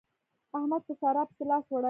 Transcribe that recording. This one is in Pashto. احمد په سارا پسې لاس وړي.